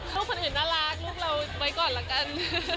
ให้คนอื่นน่ารักลูกเราไว้ก่อนละกัน